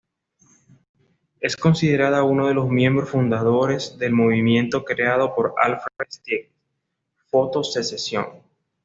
Es considerada uno de los miembros fundadores del movimiento creado por Alfred Stieglitz, Photo-Secession.